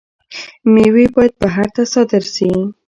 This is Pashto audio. میوې باید بهر ته صادر شي.